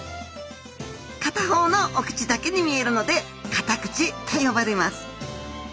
片方のお口だけに見えるのでカタクチと呼ばれます。